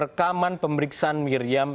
rekaman pemeriksaan miriam